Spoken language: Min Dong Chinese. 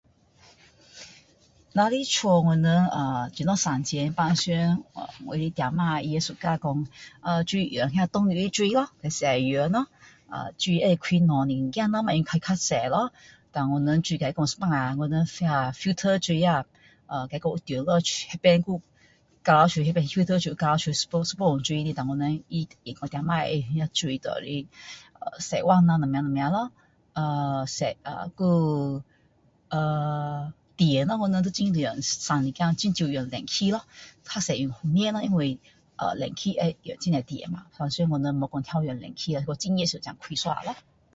若在家我们怎么省钱平时呃我的家婆她就是说喜欢用下雨的水咯来洗衣服咯水可以开小一点咯不要开太大咯胆我们有时候会跟她说啊水filter水啊有多的呃掉出来的呃那边掉出来一部分一部分水她我家婆会把水拿来呃洗碗咯什么什么咯呃还有呃电咯我们会省一点很少用冷气咯比较多用风扇咯因为冷气会用很多电嘛平时我们没有说一直用冷气啦是说很热时才开一下咯